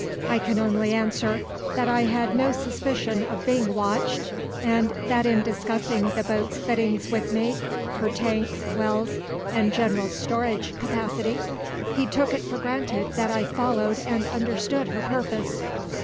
I can only answer that I had no suspicion of being watched, and that in discussing the boat's fittings with me her tanks, wells, and general storage capacity he took it for granted that I followed and understood her purpose.